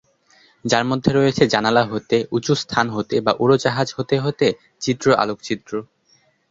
যার মধ্যে রয়েছে জানালা হতে, উচু স্থান হতে বা উড়োজাহাজ হতে হতে চিত্রিত আলোকচিত্র।